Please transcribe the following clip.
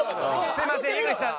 すみません井口さん。